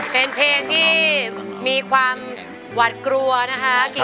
เป็นเพลงที่มีความหวัดกลัวนะคะ